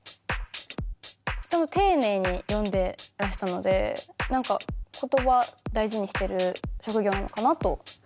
でも丁寧に読んでらしたので何か言葉大事にしてる職業なのかなと思いました。